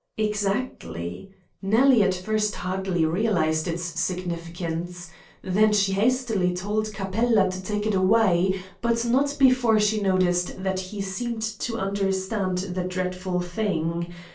"Exactly. Nellie at first hardly realised its significance. Then she hastily told Capella to take it away, but not before she noticed that he seemed to understand the dreadful thing.